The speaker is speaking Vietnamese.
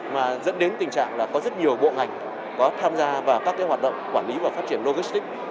mà dẫn đến tình trạng là có rất nhiều bộ ngành có tham gia vào các hoạt động quản lý và phát triển logistics